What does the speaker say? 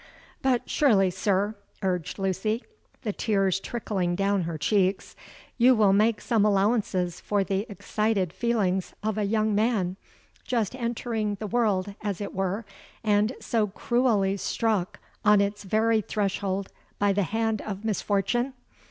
—'But surely, sir,' urged Lucy, the tears trickling down her cheeks, 'you will make some allowances for the excited feelings of a young man just entering the world as it were, and so cruelly struck on its very threshold by the hand of misfortune?